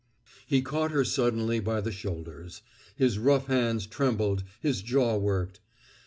He caught her suddenly by the shoulders. His rough hands trembled; his jaw worked.